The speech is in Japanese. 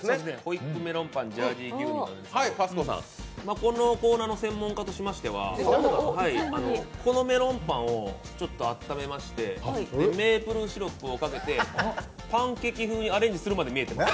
このコーナーの専門家としましては、このメロンパンをちょっとあっためましてメープルシロップをかけてパンケーキ風にアレンジするまで見えてます。